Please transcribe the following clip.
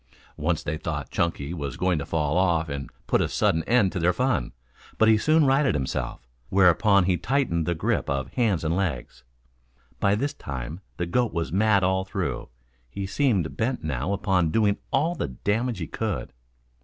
Once they thought Chunky was going to fall off and put a sudden end to their fun, but he soon righted himself, whereupon he tightened the grip of hands and legs. By this time the goat was mad all through. He seemed bent now upon doing all the damage he could.